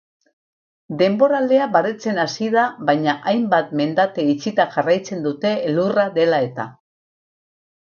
Denboralea baretzen hasi da baina hainbat mendate itxita jarraitzen dute elurra dela eta.